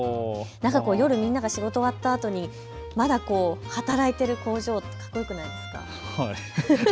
みんなが仕事終わったあとまだ働いている工場、かっこよくないですか。